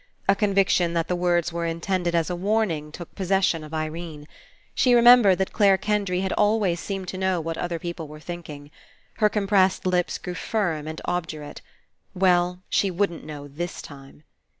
A conviction that the words were intended as a warning took possession of Irene. She re membered that Clare Kendry had always seemed to know what other people were think ing. Her compressed lips grew firm and ob durate. Well, she wouldn't know this time.